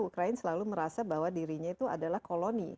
ukraine selalu merasa bahwa dirinya itu adalah koloni